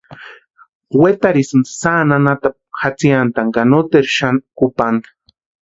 Wetarhisïnti sáani anhatapu jatsianti ka noteru xani kupanta.